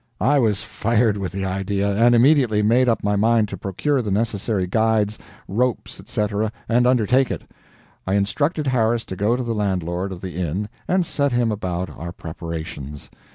I was fired with the idea, and immediately made up my mind to procure the necessary guides, ropes, etc., and undertake it. I instructed Harris to go to the landlord of the inn and set him about our preparations.